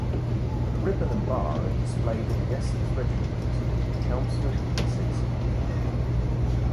The ribbon and bar are displayed at The Essex Regiment Museum, Chelmsford, Essex, England.